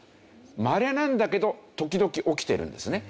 まれなんだけど時々起きてるんですね。